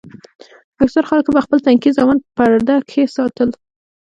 اکثرو خلکو به خپل تنکي زامن په پرده کښې ساتل.